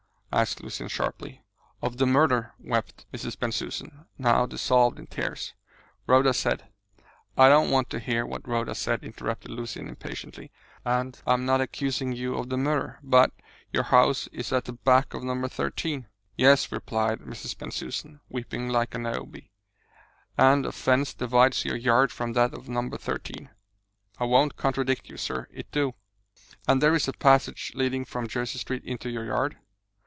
asked Lucian sharply. "Of the murder!" wept Mrs. Bensusan, now dissolved in tears. "Rhoda said " "I don't want to hear what Rhoda said," interrupted Lucian impatiently, "and I am not accusing you of the murder. But your house is at the back of No. 13." "Yes," replied Mrs. Bensusan, weeping like a Niobe. "And a fence divides your yard from that of No. 13?" "I won't contradict you, sir it do." "And there is a passage leading from Jersey Street into your yard?"